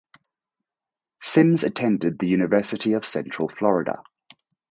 Sims attended the University of Central Florida.